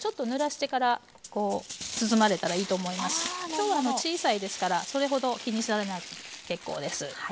今日は小さいですからそれほど気にされなくて結構です。